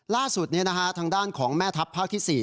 ล่าสุดทางด้านของแม่ทัพภาคที่๔